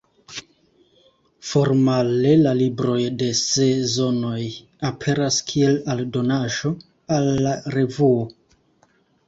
Formale la libroj de Sezonoj aperas kiel aldonaĵo al la revuo.